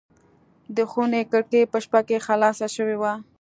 د خونې کړکۍ په شپه کې خلاصه شوې وه.